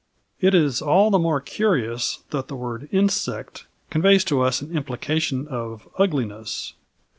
It is all the more curious that the word "insect" conveys to us an implication of ugliness.